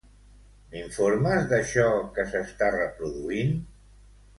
M'informes d'això que s'està reproduint?